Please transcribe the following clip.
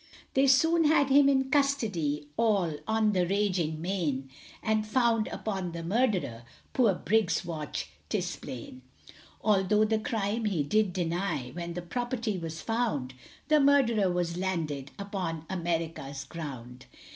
They soon had him in custody, All on the raging main, And found upon the murderer, Poor Briggs's watch, 'tis plain; Although the crime he did deny, When the property was found, The murderer was landed Upon America's ground.